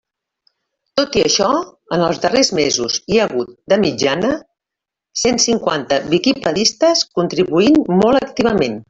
Tot i això, en els darrers mesos hi ha hagut, de mitjana, cent cinquanta “viquipedistes” contribuint molt activament.